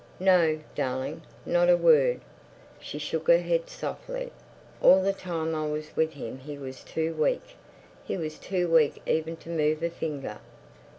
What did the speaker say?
"No, darling, not a word!" She shook her head softly. "All the time I was with him he was too weak... he was too weak even to move a finger...."